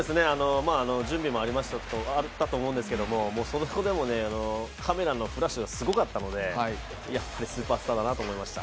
準備もあったと思うんですけどそこでもカメラのフラッシュがすごかったので、やっぱりスーパースターだなと思いました。